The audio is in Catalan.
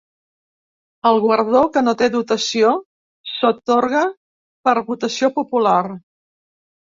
El guardó, que no té dotació, s’atorga per votació popular.